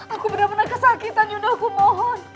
aku benar benar kesakitan nyunda aku mohon